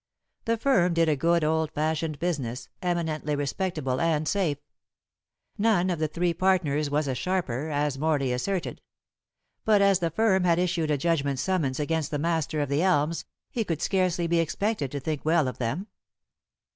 The firm did a good old fashioned business, eminently respectable and safe. None of the three partners was a sharper, as Morley asserted; but as the firm had issued a judgment summons against the master of The Elms, he could scarcely be expected to think well of them.